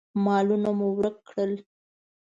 مالونه مو ورک کړل.